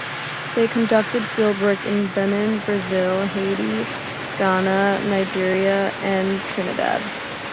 They conducted field work in Benin, Brazil, Haiti, Ghana, Nigeria and Trinidad.